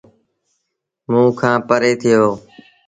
موݩ کآݩ پري ٿئي وهو۔